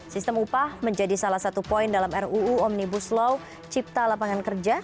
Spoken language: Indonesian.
sistem upah menjadi salah satu poin dalam ruu omnibus law cipta lapangan kerja